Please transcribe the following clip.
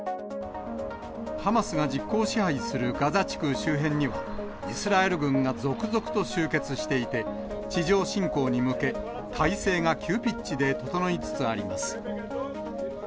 ハマスが実効支配するガザ地区周辺には、イスラエル軍が続々と集結していて、地上侵攻に向け、態勢が急ピッチで整いつつあります。